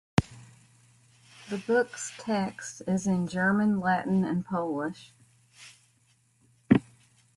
The book's text is in German, Latin and Polish.